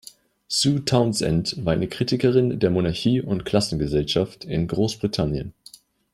Sue Townsend war eine Kritikerin der Monarchie und Klassengesellschaft in Großbritannien.